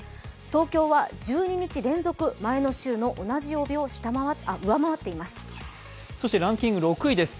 東京は１２日連続、前の週の同じ曜日を上回っています。